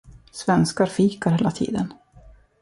Svenskar fikar hela tiden.